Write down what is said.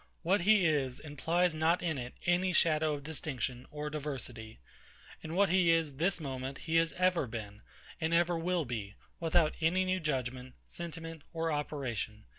What he is implies not in it any shadow of distinction or diversity. And what he is this moment he ever has been, and ever will be, without any new judgement, sentiment, or operation.